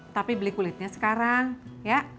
tapi beli kulitnya sekarang ya